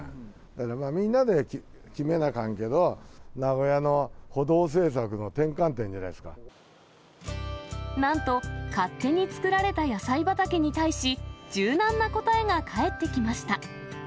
だって、みんなで決めなあかんけど、名古屋の歩道政策の転換点じゃななんと勝手に作られた野菜畑に対し、柔軟な答えが返ってきました。